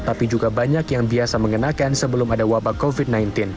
tapi juga banyak yang biasa mengenakan sebelum ada wabah covid sembilan belas